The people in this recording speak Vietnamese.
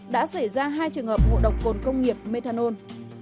đã xảy ra hai trường hợp ngộ độc cồn công nghiệp methanol